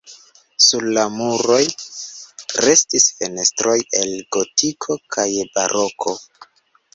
Sur la muroj restis fenestroj el gotiko kaj baroko.